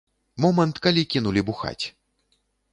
Момант, калі кінулі бухаць.